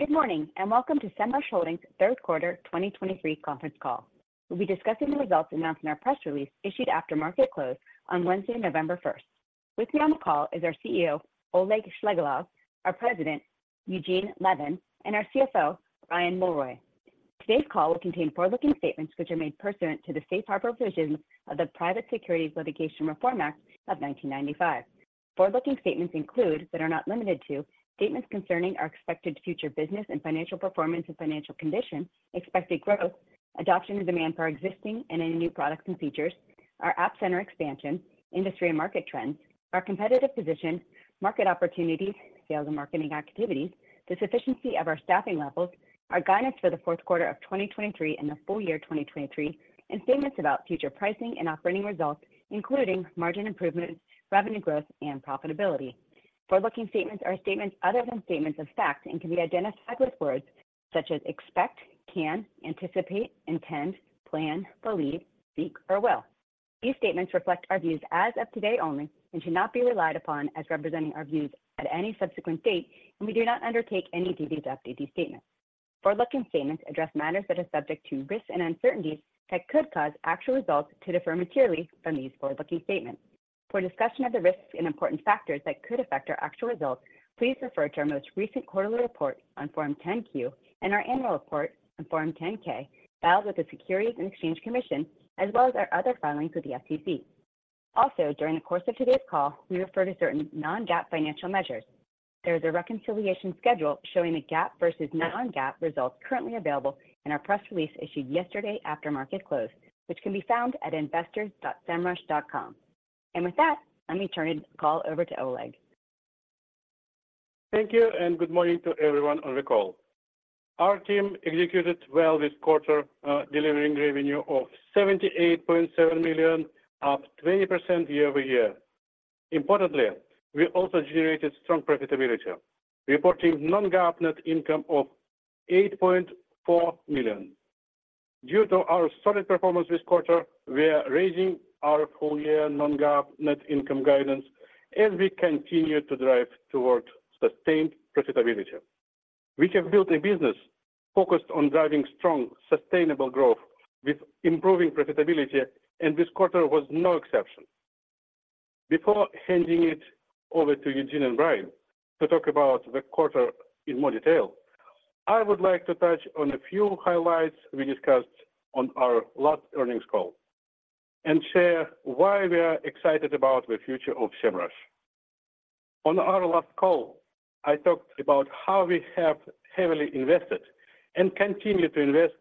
Good morning, and welcome to Semrush Holdings' Third Quarter 2023 Conference Call. We'll be discussing the results announced in our press release, issued after market close on Wednesday, November 1st. With me on the call is our CEO, Oleg Shchegolev, our President, Eugene Levin, and our CFO, Brian Mulroy. Today's call will contain forward-looking statements, which are made pursuant to the safe harbor provisions of the Private Securities Litigation Reform Act of 1995. Forward-looking statements include, but are not limited to, statements concerning our expected future business and financial performance and financial condition, expected growth, adoption and demand for our existing and any new products and features, our App Center expansion, industry and market trends, our competitive position, market opportunities, sales and marketing activities, the sufficiency of our staffing levels, our guidance for the fourth quarter of 2023 and the full year 2023, and statements about future pricing and operating results, including margin improvements, revenue growth, and profitability. Forward-looking statements are statements other than statements of fact, and can be identified with words such as expect, can, anticipate, intend, plan, believe, seek, or will. These statements reflect our views as of today only, and should not be relied upon as representing our views at any subsequent date, and we do not undertake any duty to update these statements. Forward-looking statements address matters that are subject to risks and uncertainties that could cause actual results to differ materially from these forward-looking statements. For a discussion of the risks and important factors that could affect our actual results, please refer to our most recent quarterly report on Form 10-Q and our annual report on Form 10-K, filed with the Securities and Exchange Commission, as well as our other filings with the SEC. Also, during the course of today's call, we refer to certain non-GAAP financial measures. There is a reconciliation schedule showing the GAAP versus non-GAAP results currently available in our press release issued yesterday after market close, which can be found at investors.semrush.com. And with that, let me turn the call over to Oleg. Thank you, and good morning to everyone on the call. Our team executed well this quarter, delivering revenue of $78.7 million, up 20% year-over-year. Importantly, we also generated strong profitability, reporting non-GAAP net income of $8.4 million. Due to our solid performance this quarter, we are raising our full-year non-GAAP net income guidance as we continue to drive towards sustained profitability. We have built a business focused on driving strong, sustainable growth with improving profitability, and this quarter was no exception. Before handing it over to Eugene and Brian to talk about the quarter in more detail, I would like to touch on a few highlights we discussed on our last earnings call and share why we are excited about the future of Semrush. On our last call, I talked about how we have heavily invested and continue to invest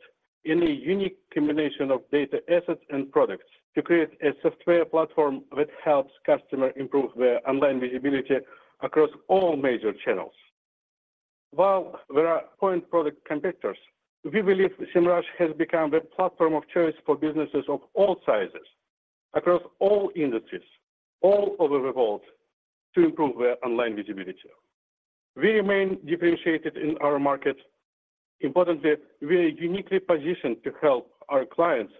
in a unique combination of data assets and products to create a software platform that helps customers improve their online visibility across all major channels. While there are point product competitors, we believe Semrush has become the platform of choice for businesses of all sizes, across all industries, all over the world, to improve their online visibility. We remain differentiated in our market. Importantly, we are uniquely positioned to help our clients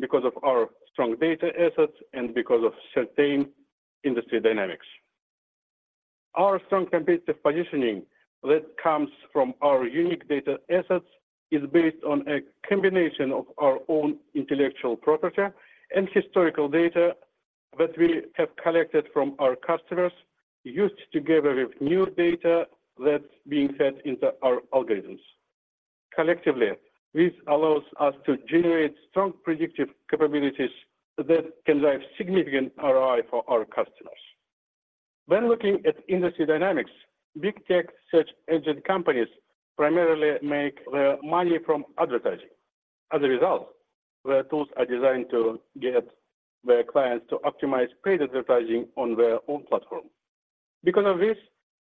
because of our strong data assets and because of certain industry dynamics. Our strong competitive positioning that comes from our unique data assets is based on a combination of our own intellectual property and historical data that we have collected from our customers, used together with new data that's being fed into our algorithms. Collectively, this allows us to generate strong predictive capabilities that can drive significant ROI for our customers. When looking at industry dynamics, big tech search engine companies primarily make their money from advertising. As a result, their tools are designed to get their clients to optimize paid advertising on their own platform. Because of this,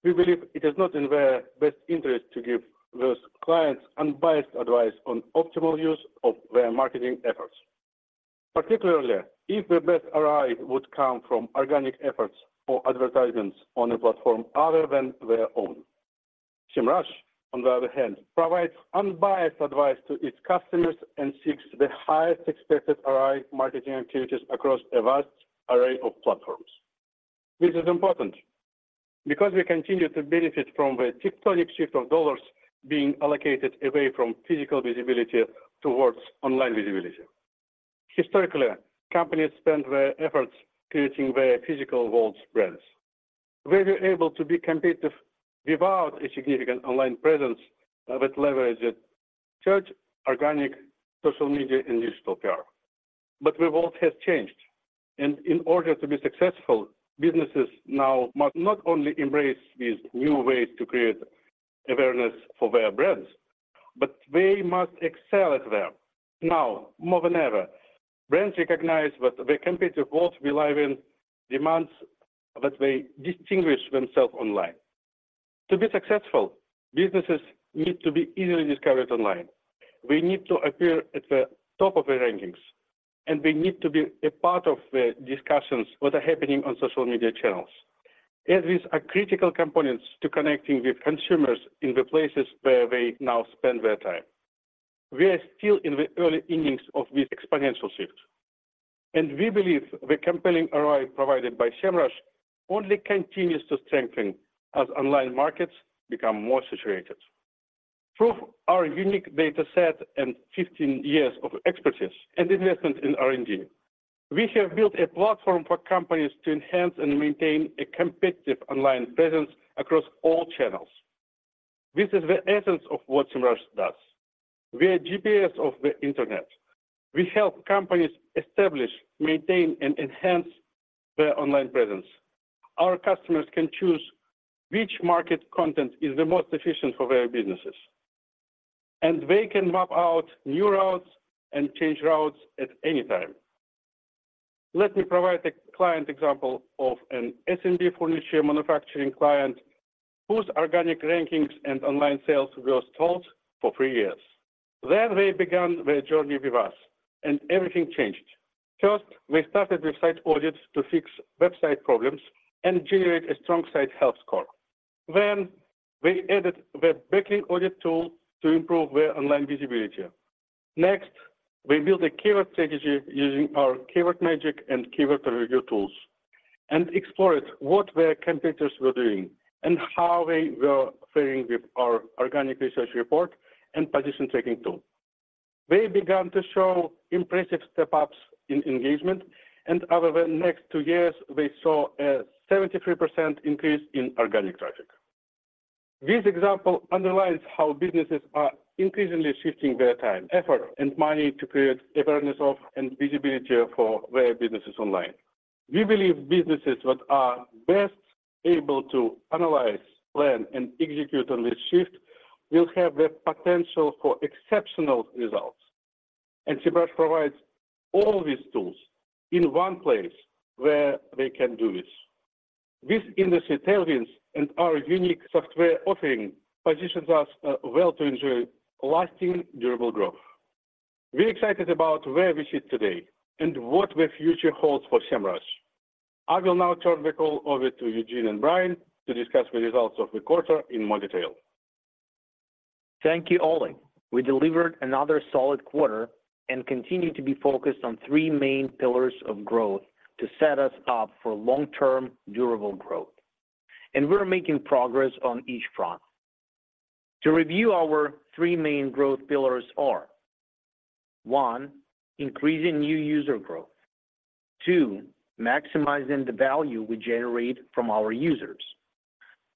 we believe it is not in their best interest to give those clients unbiased advice on optimal use of their marketing efforts, particularly if the best ROI would come from organic efforts or advertisements on a platform other than their own. Semrush, on the other hand, provides unbiased advice to its customers and seeks the highest expected ROI marketing activities across a vast array of platforms. This is important because we continue to benefit from the tectonic shift of dollars being allocated away from physical visibility toward online visibility. Historically, companies spent their efforts creating their physical world presence, where you're able to be competitive without a significant online presence that leverages search, organic, social media, and digital PR. But the world has changed, and in order to be successful, businesses now must not only embrace these new ways to create awareness for their brands, but they must excel at them. Now, more than ever, brands recognize that the competitive world we live in demands that they distinguish themselves online. To be successful, businesses need to be easily discovered online. We need to appear at the top of the rankings, and we need to be a part of the discussions that are happening on social media channels, as these are critical components to connecting with consumers in the places where they now spend their time. We are still in the early innings of this exponential shift.... We believe the compelling ROI provided by Semrush only continues to strengthen as online markets become more saturated. Through our unique data set and 15 years of expertise and investment in R&D, we have built a platform for companies to enhance and maintain a competitive online presence across all channels. This is the essence of what Semrush does. We are GPS of the internet. We help companies establish, maintain, and enhance their online presence. Our customers can choose which market content is the most efficient for their businesses, and they can map out new routes and change routes at any time. Let me provide a client example of an SMB furniture manufacturing client whose organic rankings and online sales were stalled for 3 years. Then they began their journey with us, and everything changed. First, we started with Site Audit to fix website problems and generate a strong site health score. Then, we added the Backlink Audit tool to improve their online visibility. Next, we built a keyword strategy using our Keyword Magic and Keyword Overview tools, and explored what their competitors were doing and how they were faring with our Organic Research Report and Position Tracking tool. They began to show impressive step-ups in engagement, and over the next two years, we saw a 73% increase in organic traffic. This example underlines how businesses are increasingly shifting their time, effort, and money to create awareness of and visibility for their businesses online. We believe businesses that are best able to analyze, plan, and execute on this shift will have the potential for exceptional results, and Semrush provides all these tools in one place where they can do this. This industry intelligence and our unique software offering positions us well to ensure lasting, durable growth. We're excited about where we sit today and what the future holds for Semrush. I will now turn the call over to Eugene and Brian to discuss the results of the quarter in more detail. Thank you, Oleg. We delivered another solid quarter and continue to be focused on three main pillars of growth to set us up for long-term, durable growth, and we're making progress on each front. To review, our three main growth pillars are: one, increasing new user growth. Two, maximizing the value we generate from our users.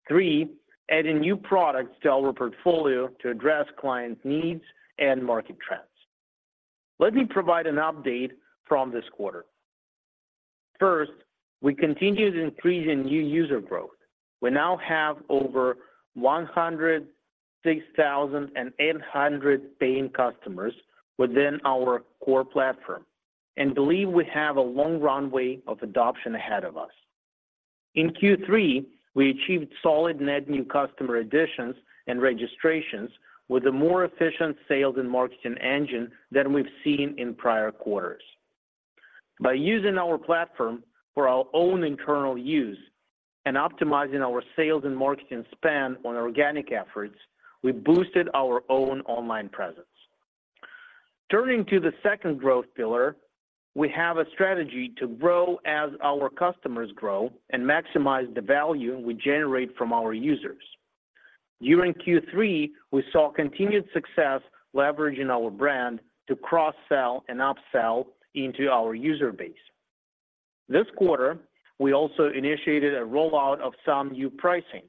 Three, adding new products to our portfolio to address client needs and market trends. Let me provide an update from this quarter. First, we continued increasing new user growth. We now have over 106,800 paying customers within our core platform and believe we have a long runway of adoption ahead of us. In Q3, we achieved solid net new customer additions and registrations with a more efficient sales and marketing engine than we've seen in prior quarters. By using our platform for our own internal use and optimizing our sales and marketing spend on organic efforts, we boosted our own online presence. Turning to the second growth pillar, we have a strategy to grow as our customers grow and maximize the value we generate from our users. During Q3, we saw continued success leveraging our brand to cross-sell and upsell into our user base. This quarter, we also initiated a rollout of some new pricing.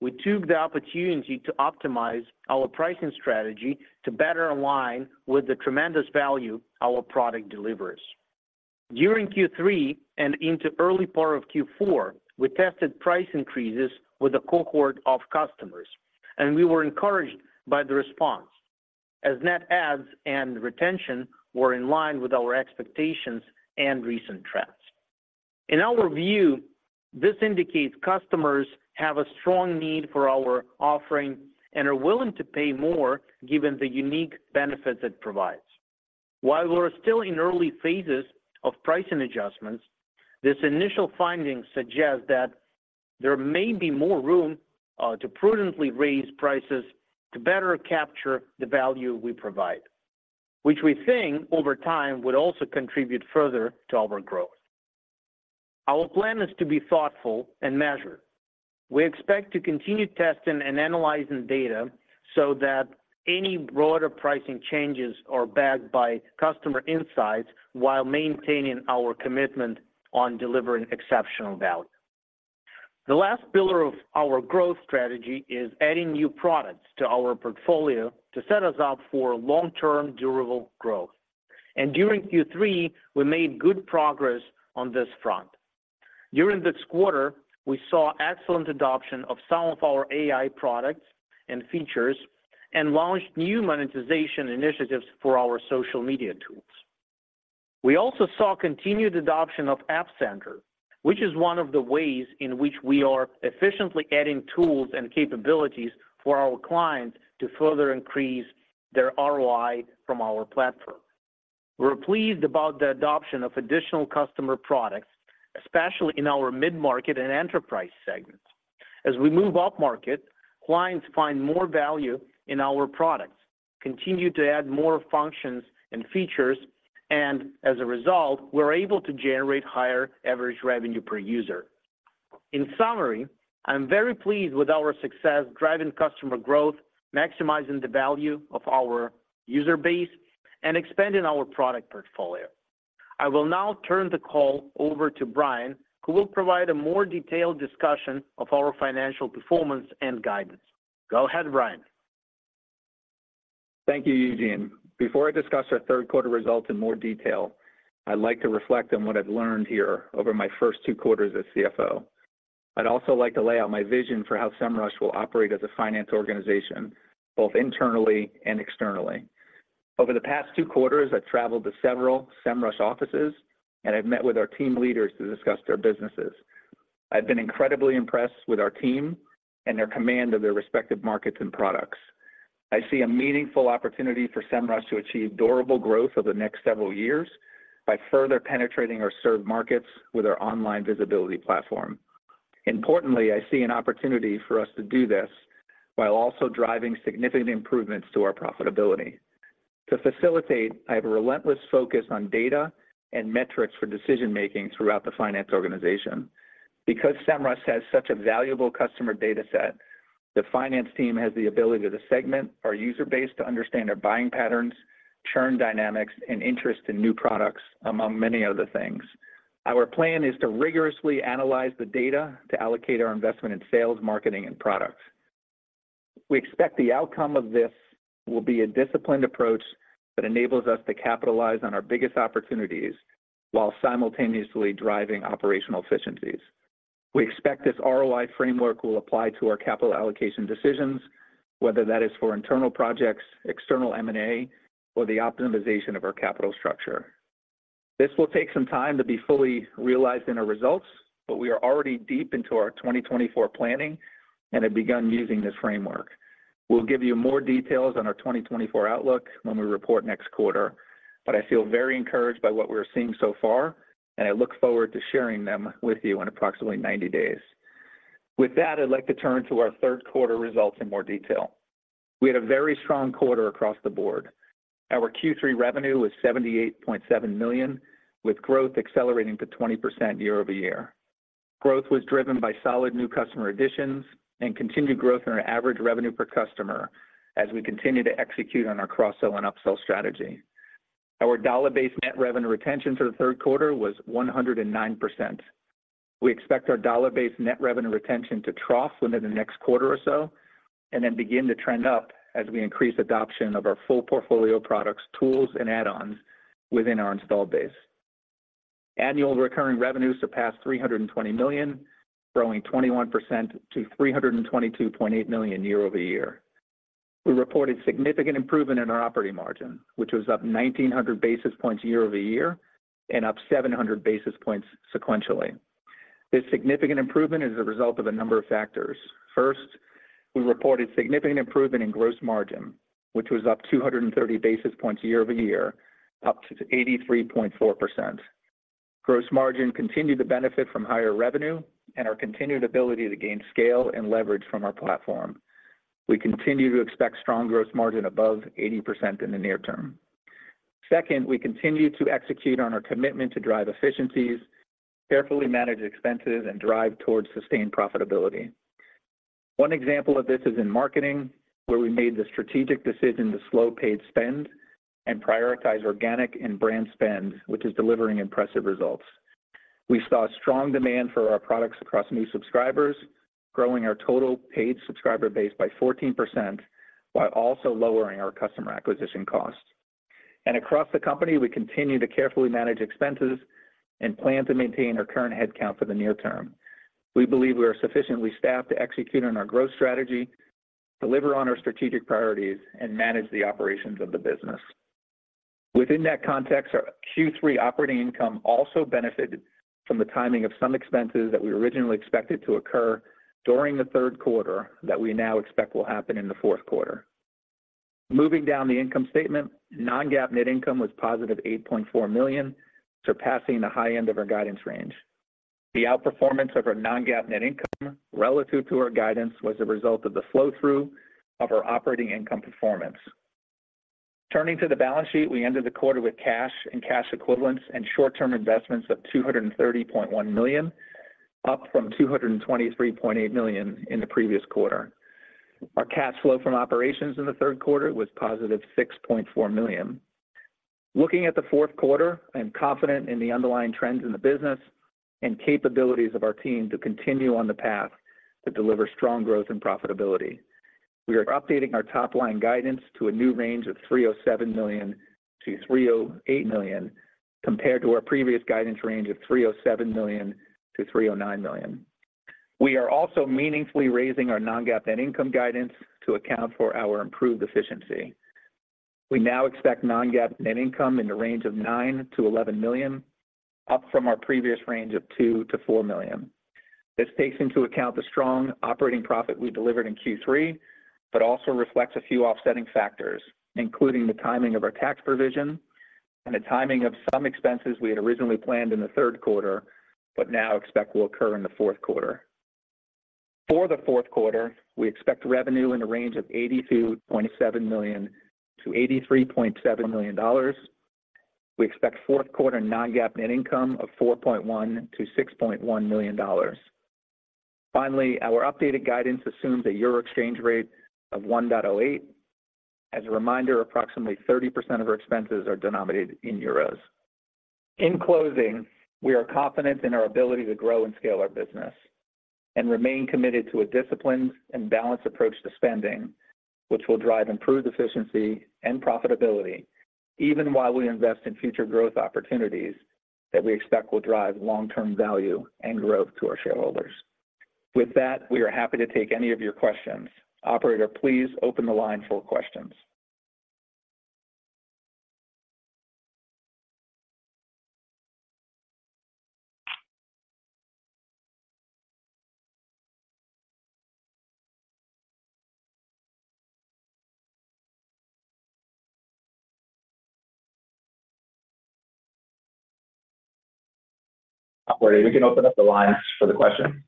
We took the opportunity to optimize our pricing strategy to better align with the tremendous value our product delivers. During Q3 and into early part of Q4, we tested price increases with a cohort of customers, and we were encouraged by the response, as net adds and retention were in line with our expectations and recent trends. In our view, this indicates customers have a strong need for our offering and are willing to pay more, given the unique benefits it provides. While we're still in early phases of pricing adjustments, this initial finding suggests that there may be more room to prudently raise prices to better capture the value we provide, which we think over time, would also contribute further to our growth. Our plan is to be thoughtful and measured. We expect to continue testing and analyzing data so that any broader pricing changes are backed by customer insights while maintaining our commitment on delivering exceptional value. The last pillar of our growth strategy is adding new products to our portfolio to set us up for long-term, durable growth. And during Q3, we made good progress on this front. During this quarter, we saw excellent adoption of some of our AI products and features and launched new monetization initiatives for our social media tools. We also saw continued adoption of App Center, which is one of the ways in which we are efficiently adding tools and capabilities for our clients to further increase their ROI from our platform. We're pleased about the adoption of additional customer products, especially in our mid-market and enterprise segments. As we move upmarket, clients find more value in our products, continue to add more functions and features, and as a result, we're able to generate higher average revenue per user. In summary, I'm very pleased with our success driving customer growth, maximizing the value of our user base, and expanding our product portfolio. I will now turn the call over to Brian, who will provide a more detailed discussion of our financial performance and guidance. Go ahead, Brian. Thank you, Eugene. Before I discuss our third quarter results in more detail, I'd like to reflect on what I've learned here over my first two quarters as CFO. I'd also like to lay out my vision for how Semrush will operate as a finance organization, both internally and externally. Over the past two quarters, I've traveled to several Semrush offices, and I've met with our team leaders to discuss their businesses. I've been incredibly impressed with our team and their command of their respective markets and products. I see a meaningful opportunity for Semrush to achieve durable growth over the next several years by further penetrating our served markets with our online visibility platform. Importantly, I see an opportunity for us to do this while also driving significant improvements to our profitability. To facilitate, I have a relentless focus on data and metrics for decision-making throughout the finance organization. Because Semrush has such a valuable customer data set, the finance team has the ability to segment our user base to understand their buying patterns, churn dynamics, and interest in new products, among many other things. Our plan is to rigorously analyze the data to allocate our investment in sales, marketing, and products. We expect the outcome of this will be a disciplined approach that enables us to capitalize on our biggest opportunities while simultaneously driving operational efficiencies. We expect this ROI framework will apply to our capital allocation decisions, whether that is for internal projects, external M&A, or the optimization of our capital structure. This will take some time to be fully realized in our results, but we are already deep into our 2024 planning and have begun using this framework. We'll give you more details on our 2024 outlook when we report next quarter, but I feel very encouraged by what we're seeing so far, and I look forward to sharing them with you in approximately 90 days. With that, I'd like to turn to our third quarter results in more detail. We had a very strong quarter across the board. Our Q3 revenue was $78.7 million, with growth accelerating to 20% year-over-year. Growth was driven by solid new customer additions and continued growth in our average revenue per customer as we continue to execute on our cross-sell and upsell strategy. Our Dollar-Based Net Revenue Retention for the third quarter was 109%. We expect our dollar-based net revenue retention to trough within the next quarter or so, and then begin to trend up as we increase adoption of our full portfolio of products, tools, and add-ons within our installed base. Annual recurring revenues surpassed $300 million, growing 21% to $322.8 million year-over-year. We reported significant improvement in our operating margin, which was up 1,900 basis points year-over-year and up 700 basis points sequentially. This significant improvement is a result of a number of factors. First, we reported significant improvement in gross margin, which was up 230 basis points year-over-year, up to 83.4%. Gross margin continued to benefit from higher revenue and our continued ability to gain scale and leverage from our platform. We continue to expect strong gross margin above 80% in the near term. Second, we continue to execute on our commitment to drive efficiencies, carefully manage expenses, and drive towards sustained profitability. One example of this is in marketing, where we made the strategic decision to slow paid spend and prioritize organic and brand spend, which is delivering impressive results. We saw strong demand for our products across new subscribers, growing our total paid subscriber base by 14%, while also lowering our customer acquisition costs. And across the company, we continue to carefully manage expenses and plan to maintain our current headcount for the near term. We believe we are sufficiently staffed to execute on our growth strategy, deliver on our strategic priorities, and manage the operations of the business. Within that context, our Q3 operating income also benefited from the timing of some expenses that we originally expected to occur during the third quarter that we now expect will happen in the fourth quarter. Moving down the income statement, non-GAAP net income was +$8.4 million, surpassing the high end of our guidance range. The outperformance of our non-GAAP net income relative to our guidance was a result of the flow-through of our operating income performance. Turning to the balance sheet, we ended the quarter with cash and cash equivalents and short-term investments of $230.1 million, up from $223.8 million in the previous quarter. Our cash flow from operations in the third quarter was positive $6.4 million. Looking at the fourth quarter, I am confident in the underlying trends in the business and capabilities of our team to continue on the path to deliver strong growth and profitability. We are updating our top-line guidance to a new range of $307 million-$308 million, compared to our previous guidance range of $307 million-$309 million. We are also meaningfully raising our non-GAAP net income guidance to account for our improved efficiency. We now expect non-GAAP net income in the range of $9 million-$11 million, up from our previous range of $2 million-$4 million. This takes into account the strong operating profit we delivered in Q3, but also reflects a few offsetting factors, including the timing of our tax provision... The timing of some expenses we had originally planned in the third quarter, but now expect will occur in the fourth quarter. For the fourth quarter, we expect revenue in the range of $82.7 million-$83.7 million. We expect fourth quarter non-GAAP net income of $4.1 million-$6.1 million. Finally, our updated guidance assumes a euro exchange rate of 1.08. As a reminder, approximately 30% of our expenses are denominated in euros. In closing, we are confident in our ability to grow and scale our business and remain committed to a disciplined and balanced approach to spending, which will drive improved efficiency and profitability, even while we invest in future growth opportunities that we expect will drive long-term value and growth to our shareholders. With that, we are happy to take any of your questions. Operator, please open the line for questions. Operator, you can open up the line for the question.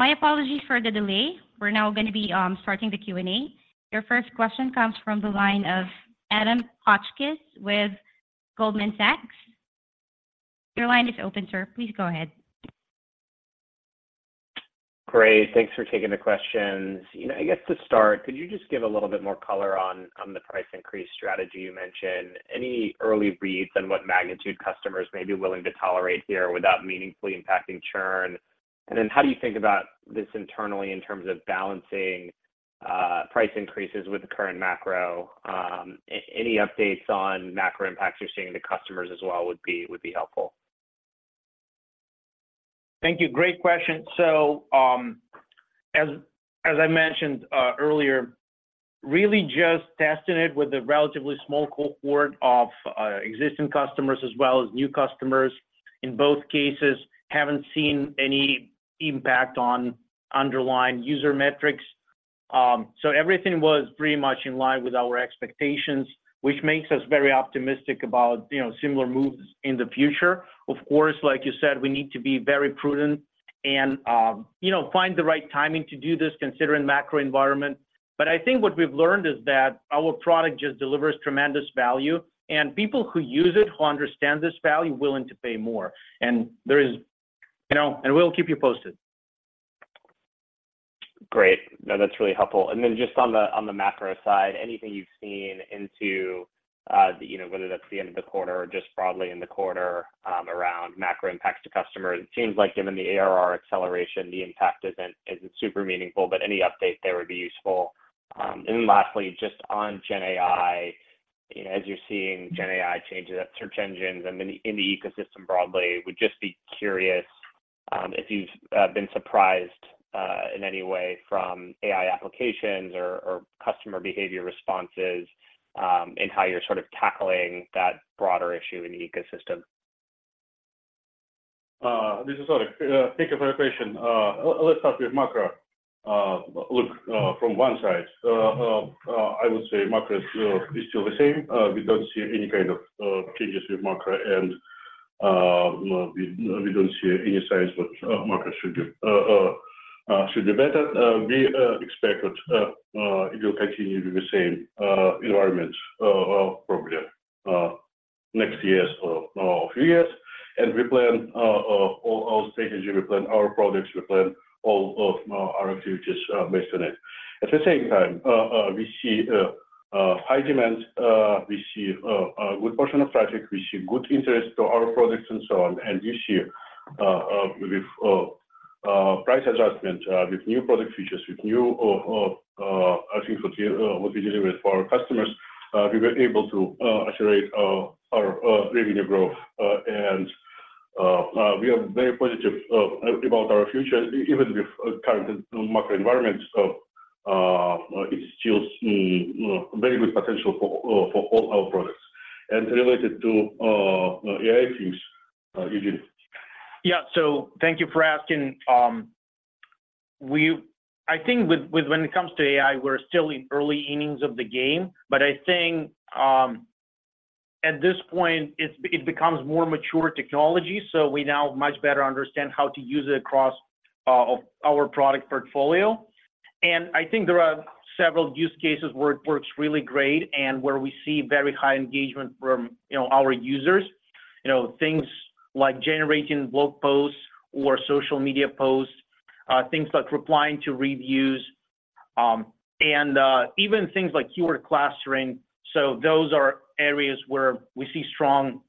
My apologies for the delay. We're now gonna be starting the Q&A. Your first question comes from the line of Adam Hotchkiss with Goldman Sachs. Your line is open, sir. Please go ahead. Great. Thanks for taking the questions. You know, I guess to start, could you just give a little bit more color on the price increase strategy you mentioned? Any early reads on what magnitude customers may be willing to tolerate here without meaningfully impacting churn? And then how do you think about this internally in terms of balancing price increases with the current macro? Any updates on macro impacts you're seeing to customers as well would be helpful. Thank you. Great question. So, as I mentioned earlier, really just testing it with a relatively small cohort of existing customers as well as new customers. In both cases, haven't seen any impact on underlying user metrics. So everything was pretty much in line with our expectations, which makes us very optimistic about, you know, similar moves in the future. Of course, like you said, we need to be very prudent and, you know, find the right timing to do this, considering macro environment. But I think what we've learned is that our product just delivers tremendous value, and people who use it, who understand this value, willing to pay more, and there is... You know, and we'll keep you posted. Great. No, that's really helpful. And then just on the macro side, anything you've seen into, you know, whether that's the end of the quarter or just broadly in the quarter, around macro impacts to customers, it seems like given the ARR acceleration, the impact isn't super meaningful, but any update there would be useful. And then lastly, just on GenAI, as you're seeing GenAI changes at search engines and in the ecosystem broadly, would just be curious, if you've been surprised, in any way from AI applications or customer behavior responses, in how you're sort of tackling that broader issue in the ecosystem. This is Oleg. Thank you for your question. Let's start with macro. Look, from one side, I would say macro is still the same. We don't see any kind of changes with macro, and we don't see any signs what macro should be better. We expect that it will continue to be the same environment, probably next years or few years. And we plan all our strategy, we plan our products, we plan all of our futures based on it. At the same time, we see high demand, we see a good portion of traffic, we see good interest to our products and so on. And this year, with price adjustment, with new product features, with new, I think what we deliver for our customers, we were able to accelerate our revenue growth. And we are very positive about our future, even with current macro environment. So, it's still very good potential for all our products. And related to AI things, Eugene. Yeah. So thank you for asking. I think when it comes to AI, we're still in early innings of the game, but I think at this point, it becomes more mature technology, so we now much better understand how to use it across our product portfolio. And I think there are several use cases where it works really great and where we see very high engagement from, you know, our users. You know, things like generating blog posts or social media posts, things like replying to reviews, and even things like keyword clustering. So those are areas where we see strong,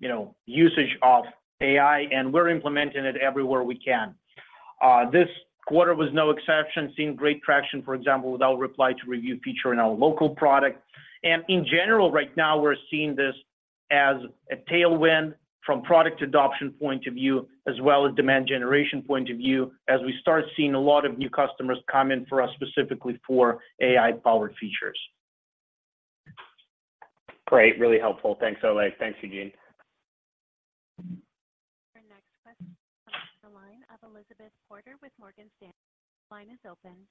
you know, usage of AI, and we're implementing it everywhere we can. This quarter was no exception, seeing great traction, for example, with our reply to review feature in our local product. In general, right now, we're seeing this as a tailwind from product adoption point of view, as well as demand generation point of view, as we start seeing a lot of new customers come in for us specifically for AI-powered features. Great. Really helpful. Thanks, Oleg. Thanks, Eugene. Your next question comes from the line of Elizabeth Porter with Morgan Stanley. Your line is open.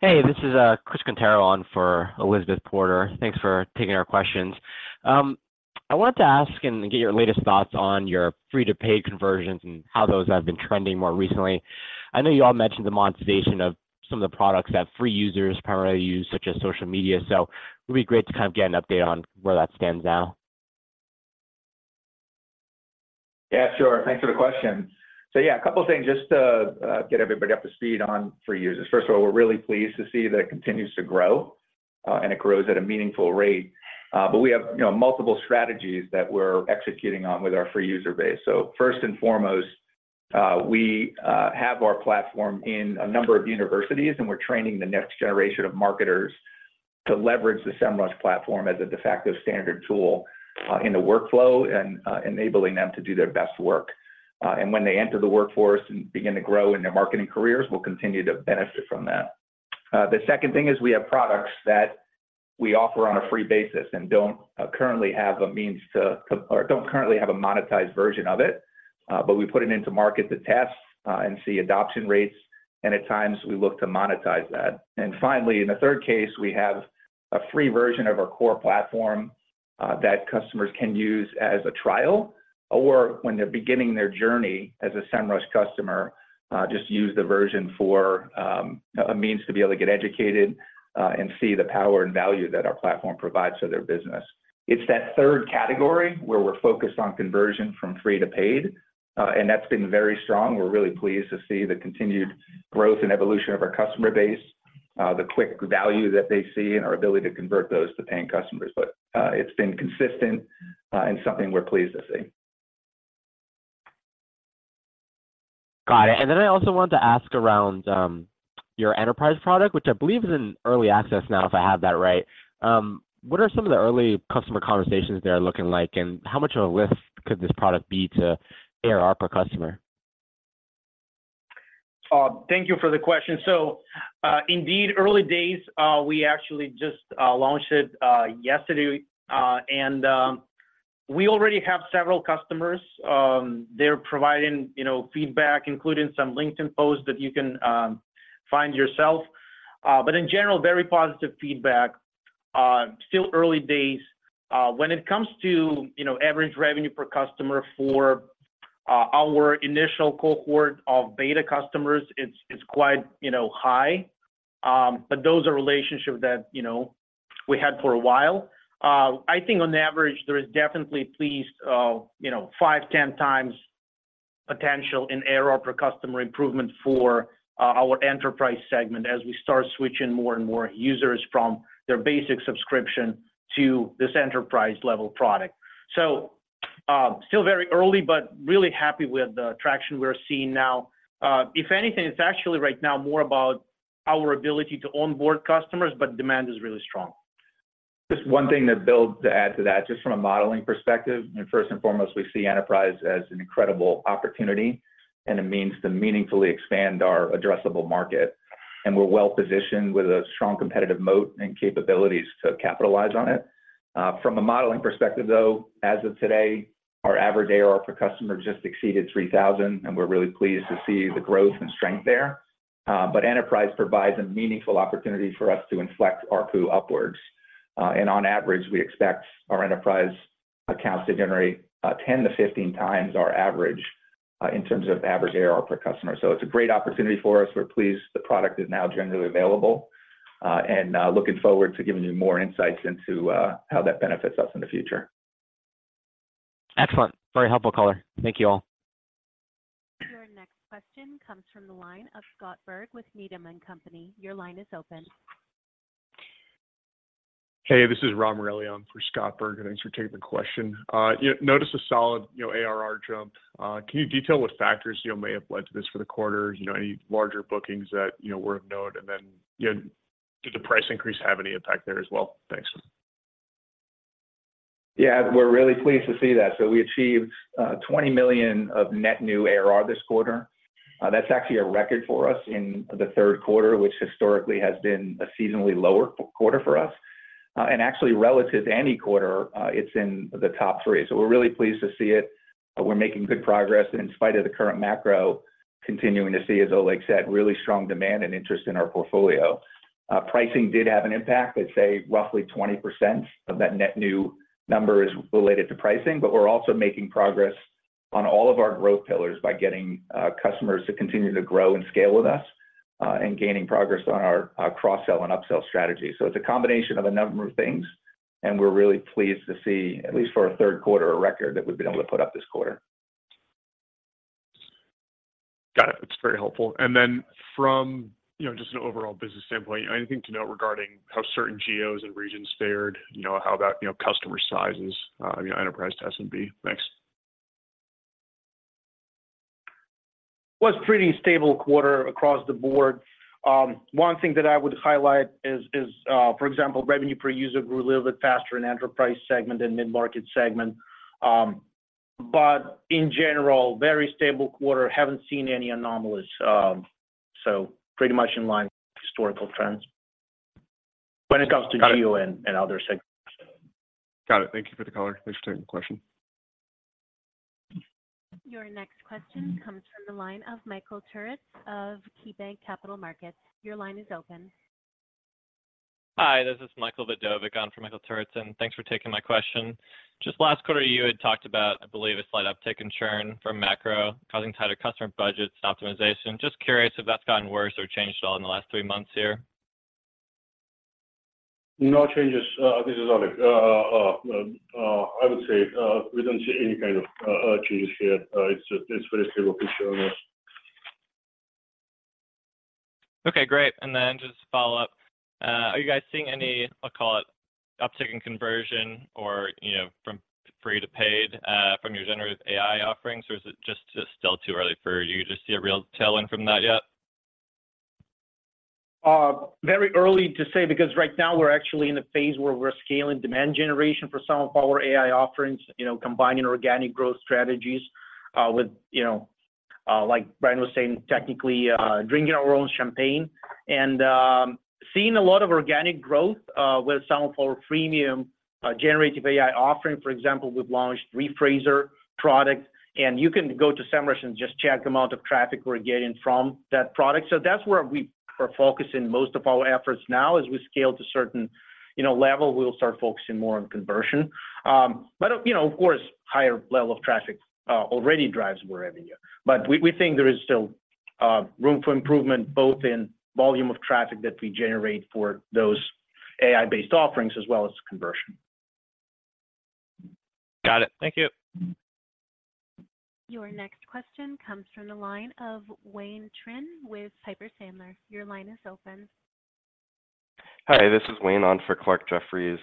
Hey, this is Chris Quintero on for Elizabeth Porter. Thanks for taking our questions. I wanted to ask and get your latest thoughts on your free-to-paid conversions and how those have been trending more recently. I know you all mentioned the monetization of some of the products that free users primarily use, such as social media, so it would be great to kind of get an update on where that stands now. Yeah, sure. Thanks for the question. So yeah, a couple of things just to get everybody up to speed on free users. First of all, we're really pleased to see that it continues to grow, and it grows at a meaningful rate. But we have, you know, multiple strategies that we're executing on with our free user base. So first and foremost, we have our platform in a number of universities, and we're training the next generation of marketers to leverage the Semrush platform as a de facto standard tool in the workflow and enabling them to do their best work. And when they enter the workforce and begin to grow in their marketing careers, we'll continue to benefit from that. The second thing is we have products that-... We offer on a free basis, and don't currently have a means or don't currently have a monetized version of it. But we put it into market to test and see adoption rates, and at times we look to monetize that. And finally, in the third case, we have a free version of our core platform that customers can use as a trial, or when they're beginning their journey as a Semrush customer, just use the version for a means to be able to get educated and see the power and value that our platform provides to their business. It's that third category where we're focused on conversion from free to paid, and that's been very strong. We're really pleased to see the continued growth and evolution of our customer base, the quick value that they see, and our ability to convert those to paying customers. But, it's been consistent, and something we're pleased to see. Got it. And then I also wanted to ask around your enterprise product, which I believe is in early access now, if I have that right. What are some of the early customer conversations there looking like, and how much of a lift could this product be to ARR per customer? Thank you for the question. So, indeed, early days, we actually just launched it yesterday, and we already have several customers. They're providing, you know, feedback, including some LinkedIn posts that you can find yourself, but in general, very positive feedback. Still early days. When it comes to, you know, average revenue per customer for our initial cohort of beta customers, it's quite, you know, high. But those are relationships that, you know, we had for a while. I think on average, there is definitely at least, you know, 5-10 times potential in ARR per customer improvement for our enterprise segment as we start switching more and more users from their basic subscription to this enterprise-level product. So, still very early, but really happy with the traction we're seeing now. If anything, it's actually right now more about our ability to onboard customers, but demand is really strong. Just one thing to add to that, just from a modeling perspective, first and foremost, we see enterprise as an incredible opportunity, and a means to meaningfully expand our addressable market. We're well-positioned with a strong competitive moat and capabilities to capitalize on it. From a modeling perspective, though, as of today, our average ARR per customer just exceeded $3,000, and we're really pleased to see the growth and strength there. Enterprise provides a meaningful opportunity for us to inflect ARPU upwards. On average, we expect our enterprise accounts to generate 10x-15x our average in terms of average ARR per customer. It's a great opportunity for us. We're pleased the product is now generally available, and looking forward to giving you more insights into how that benefits us in the future. Excellent. Very helpful color. Thank you, all. Your next question comes from the line of Scott Berg with Needham & Company. Your line is open. Hey, this is Rob Morelli on for Scott Berg, and thanks for taking the question. You notice a solid, you know, ARR jump. Can you detail what factors, you know, may have led to this for the quarter? You know, any larger bookings that, you know, worth noting? And then, you know, did the price increase have any impact there as well? Thanks. Yeah, we're really pleased to see that. So we achieved $20 million of net new ARR this quarter. That's actually a record for us in the third quarter, which historically has been a seasonally lower quarter for us. And actually relative to any quarter, it's in the top three, so we're really pleased to see it. We're making good progress, and in spite of the current macro, continuing to see, as Oleg said, really strong demand and interest in our portfolio. Pricing did have an impact. I'd say roughly 20% of that net new number is related to pricing, but we're also making progress on all of our growth pillars by getting customers to continue to grow and scale with us, and gaining progress on our cross-sell and upsell strategy. It's a combination of a number of things, and we're really pleased to see, at least for our third quarter, a record that we've been able to put up this quarter. Got it. That's very helpful. And then from, you know, just an overall business standpoint, anything to note regarding how certain geos and regions fared, you know, how that, you know, customer sizes, you know, enterprise to SMB? Thanks. Was pretty stable quarter across the board. One thing that I would highlight is, for example, revenue per user grew a little bit faster in enterprise segment than mid-market segment. But in general, very stable quarter. Haven't seen any anomalies, so pretty much in line with historical trends when it comes to geo and other segments. Got it. Thank you for the color. Thanks for taking the question. Your next question comes from the line of Michael Turits of KeyBanc Capital Markets. Your line is open. Hi, this is Michael Vidovic on for Michael Turits, and thanks for taking my question. Just last quarter, you had talked about, I believe, a slight uptick in churn from macro, causing tighter customer budgets optimization. Just curious if that's gotten worse or changed at all in the last three months here? No changes. This is Oleg. I would say, we don't see any kind of changes here. It's a very stable picture on this. Okay, great. And then just to follow up, are you guys seeing any, I'll call it, uptick in conversion or, you know, from free to paid, from your Generative AI offerings, or is it just still too early for you to see a real tailwind from that yet? Very early to say, because right now we're actually in a phase where we're scaling demand generation for some of our AI offerings, you know, combining organic growth strategies with, you know, like Brian was saying, technically, drinking our own champagne and seeing a lot of organic growth with some of our premium generative AI offering. For example, we've launched Rephraser product, and you can go to Semrush and just check the amount of traffic we're getting from that product. So that's where we are focusing most of our efforts now. As we scale to a certain, you know, level, we'll start focusing more on conversion. But, you know, of course, higher level of traffic already drives more revenue. But we think there is still room for improvement, both in volume of traffic that we generate for those AI-based offerings as well as conversion. Got it. Thank you. Your next question comes from the line of Wayne Trinh with Piper Sandler. Your line is open. Hi, this is Wayne on for Clarke Jeffries.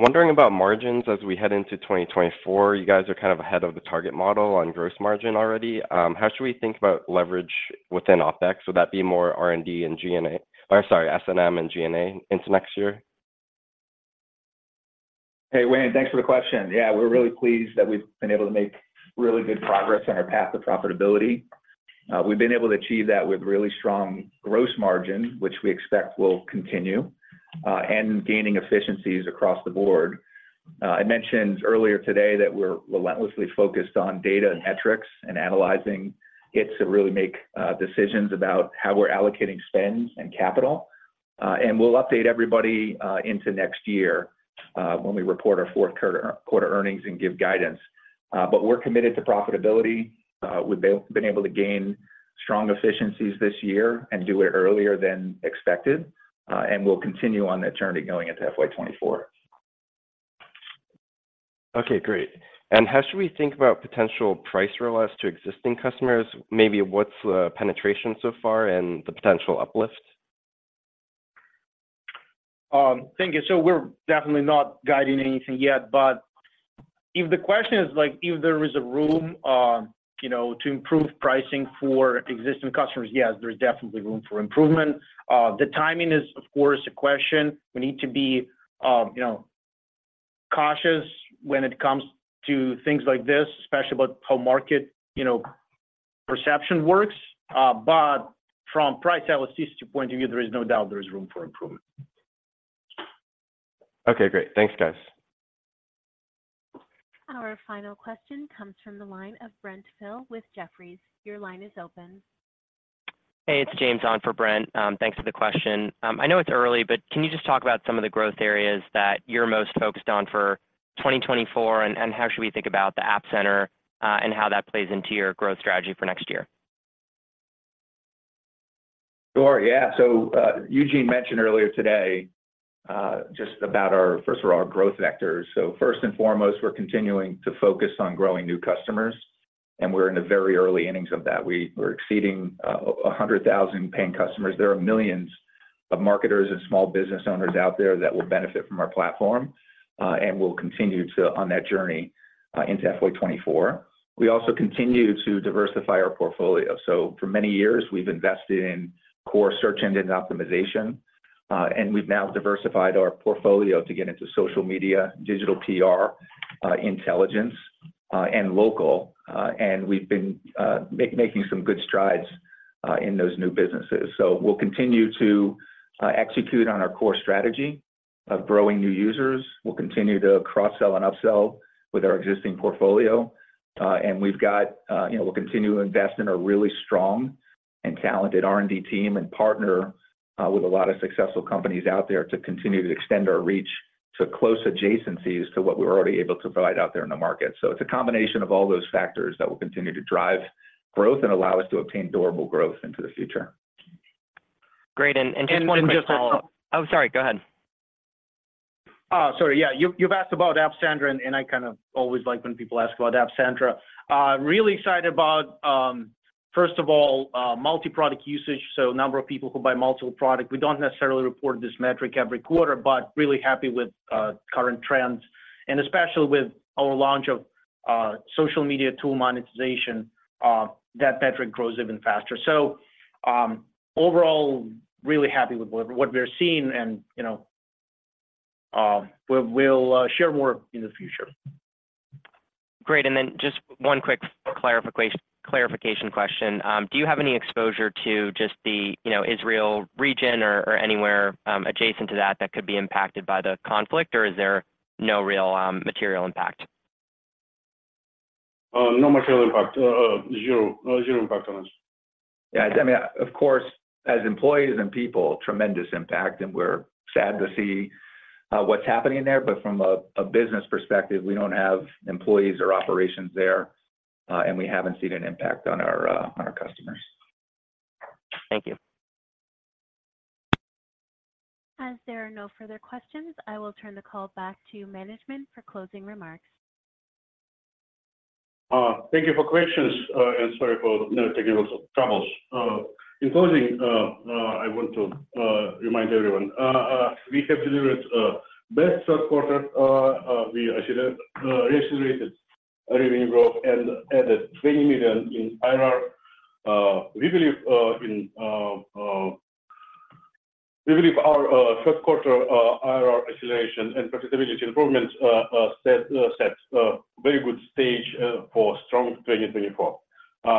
Wondering about margins as we head into 2024. You guys are kind of ahead of the target model on gross margin already. How should we think about leverage within OpEx? Would that be more R&D and G&A... or sorry, S&M and G&A into next year? Hey, Wayne, thanks for the question. Yeah, we're really pleased that we've been able to make really good progress on our path to profitability. We've been able to achieve that with really strong gross margin, which we expect will continue, and gaining efficiencies across the board. I mentioned earlier today that we're relentlessly focused on data and metrics and analyzing it to really make decisions about how we're allocating spend and capital. And we'll update everybody into next year when we report our fourth quarter earnings and give guidance. But we're committed to profitability. We've been able to gain strong efficiencies this year and do it earlier than expected, and we'll continue on that journey going into FY 2024. Okay, great. How should we think about potential price realization to existing customers? Maybe what's the penetration so far and the potential uplifts? Thank you. So we're definitely not guiding anything yet, but if the question is like if there is a room, you know, to improve pricing for existing customers, yes, there's definitely room for improvement. The timing is, of course, a question. We need to be, you know, cautious when it comes to things like this, especially about how market, you know, perception works. But from price elasticity point of view, there is no doubt there is room for improvement. Okay, great. Thanks, guys. Our final question comes from the line of Brent Thill with Jefferies. Your line is open. Hey, it's James on for Brent. Thanks for the question. I know it's early, but can you just talk about some of the growth areas that you're most focused on for 2024, and, and how should we think about the App Center, and how that plays into your growth strategy for next year? Sure. Yeah. So, Eugene mentioned earlier today, just about our, first of all, our growth vectors. So first and foremost, we're continuing to focus on growing new customers, and we're in the very early innings of that. We're exceeding 100,000 paying customers. There are millions of marketers and small business owners out there that will benefit from our platform, and we'll continue to on that journey into FY 2024. We also continue to diversify our portfolio. So for many years we've invested in core search engine optimization, and we've now diversified our portfolio to get into social media, digital PR, intelligence, and local. And we've been making some good strides in those new businesses. So we'll continue to execute on our core strategy of growing new users. We'll continue to cross-sell and upsell with our existing portfolio, and we've got, you know, we'll continue to invest in a really strong and talented R&D team and partner with a lot of successful companies out there to continue to extend our reach to close adjacencies to what we're already able to provide out there in the market. So it's a combination of all those factors that will continue to drive growth and allow us to obtain durable growth into the future. Great, and just one just- Oh, sorry, go ahead. Sorry. Yeah, you've, you've asked about App Center, and I kind of always like when people ask about App Center. Really excited about, first of all, multi-product usage, so number of people who buy multiple product. We don't necessarily report this metric every quarter, but really happy with current trends and especially with our launch of social media tool monetization, that metric grows even faster. So, overall, really happy with what, what we're seeing, and, you know, we'll, we'll share more in the future. Great. And then just one quick clarification question. Do you have any exposure to just the, you know, Israel region or anywhere adjacent to that, that could be impacted by the conflict, or is there no real material impact? No material impact. Zero, zero impact on us. Yeah, I mean, of course, as employees and people, tremendous impact, and we're sad to see what's happening there. But from a business perspective, we don't have employees or operations there, and we haven't seen an impact on our customers. Thank you. As there are no further questions, I will turn the call back to management for closing remarks. Thank you for questions, and sorry for the technical troubles. In closing, I want to remind everyone, we have delivered a best third quarter. We actually accelerated revenue growth and added $20 million in ARR. We believe in, we believe our third quarter ARR acceleration and profitability improvements sets a very good stage for strong 2024.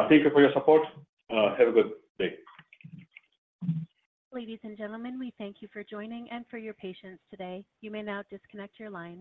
Thank you for your support. Have a good day. Ladies and gentlemen, we thank you for joining and for your patience today. You may now disconnect your lines.